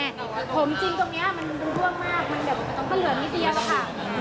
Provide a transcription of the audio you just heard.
ผมจริงตรงนี้มันร่วงมากมันเหลือนนิดเดียวค่ะ